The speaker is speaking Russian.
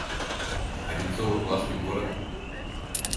Одинцово — классный город